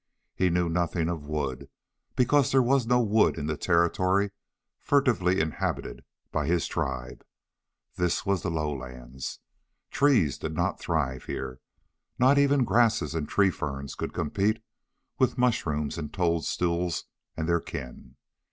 He knew nothing of wood, because there was no wood in the territory furtively inhabited by his tribe. This was the lowlands. Trees did not thrive here. Not even grasses and tree ferns could compete with mushrooms and toadstools and their kin.